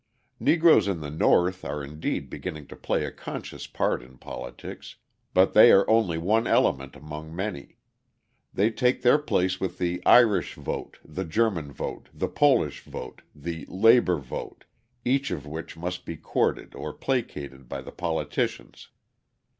Negroes in the North are indeed beginning to play a conscious part in politics; but they are only one element among many. They take their place with the "Irish vote," the "German vote," the "Polish vote," the "labour vote," each of which must be courted or placated by the politicians.